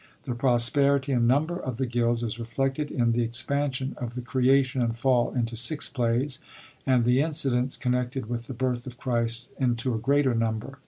The prosperity and number of the gilds is reflected in the expansion of the Creation and Fall into six plays, and the incidents connected with the birth of Christ into a greater number.